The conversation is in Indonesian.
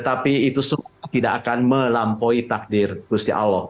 tapi itu tidak akan melampaui takdir tuhan